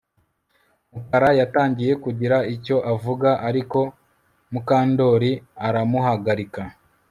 Mukara yatangiye kugira icyo avuga ariko Mukandoli aramuhagarika